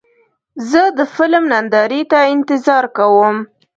زه د فلم نندارې ته انتظار کوم.